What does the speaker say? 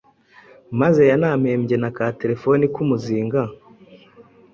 Maze yanampembye na ka terefone k’umuzinga